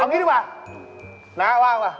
เอานี่ดีกว่าน้าว่างป่ะ